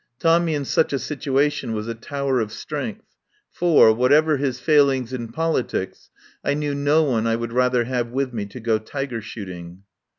Tommy in such a situation was a tower of strength, for, whatever his fail ings in politics, I knew no one I would rather have with me to go tiger shooting.